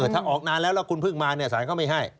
ถ้าออกนานแล้วแล้วคุณเพิ่งมาสารก็ไม่ให้